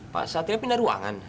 pak satria pindah ruangan